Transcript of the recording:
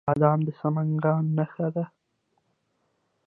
بادام د سمنګان نښه ده.